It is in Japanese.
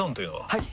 はい！